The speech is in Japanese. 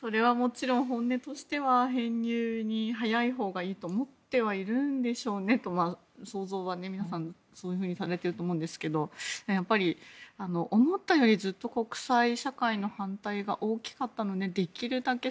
それはもちろん本音としては編入、早いほうがいいとは思ってはいるんでしょうねと想像は皆さんされていると思うんですけどやっぱり思ったよりずっと国際社会の反対が大きかったのでできるだけ